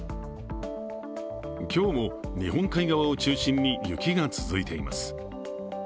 今日も日本海側を中心に雪が続いています。